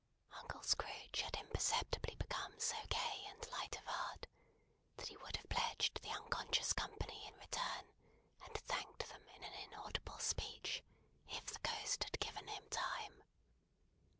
Uncle Scrooge had imperceptibly become so gay and light of heart, that he would have pledged the unconscious company in return, and thanked them in an inaudible speech, if the Ghost had given him time.